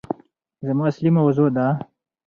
زما اصلي موضوع ده